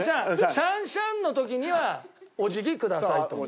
シャンシャンの時にはお辞儀くださいと。